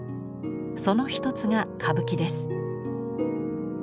その一つが歌舞伎です。